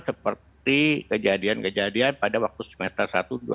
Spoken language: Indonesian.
seperti kejadian kejadian pada waktu semester satu dua ribu dua puluh